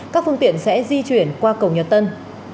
các phương tiện sẽ di chuyển qua cầu nhật tân